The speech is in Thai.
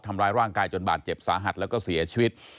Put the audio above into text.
ทำร้ายร่างกายจนบาดเจ็บสาหัสแล้วก็เสียชีวิต